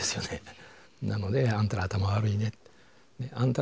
なので「あんたら頭悪いね」って。